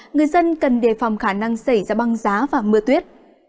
người dân cần đề phòng khả năng xảy ra băng giá và mưa tuyết